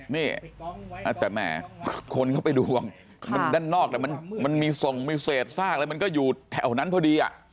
นี่แต่แหมคนเข้าไปดูมันด้านนอกแต่มันมีส่งมีเศษซากอะไรมันก็อยู่แถวนั้นพอดี